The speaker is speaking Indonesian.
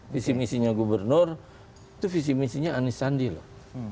visi misinya gubernur itu visi misinya anies sandi loh